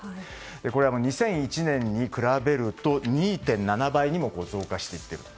これは２００１年に比べると２．７倍にも増加していってると。